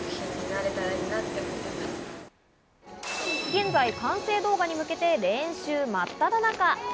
現在、完成動画に向けて、練習まっただ中。